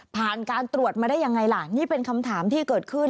ผ่านการตรวจมาได้ยังไงล่ะนี่เป็นคำถามที่เกิดขึ้น